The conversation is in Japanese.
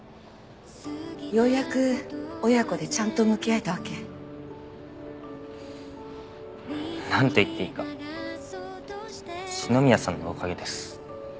ようやく親子でちゃんと向き合えたわけ。なんて言っていいか篠宮さんのおかげです。